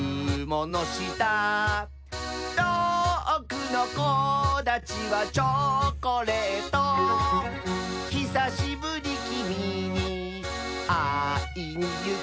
「とおくのこだちはチョコレート」「ひさしぶりきみにあいにゆく」